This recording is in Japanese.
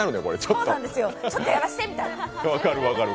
ちょっとやらせて！みたいな。